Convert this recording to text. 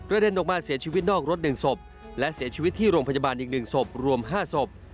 และเดินออกมาเสียชีวิตนอกรถหนึ่งศพและเสียชีวิตที่โรงพจบาลอีกหนึ่งศพรวมห้าศพ